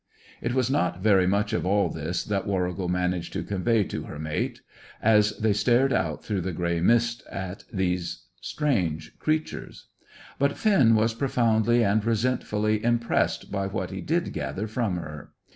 It was not very much of all this that Warrigal managed to convey to her mate, as they stared out through the grey mist at these strange creatures, but Finn was profoundly and resentfully impressed by what he did gather from her.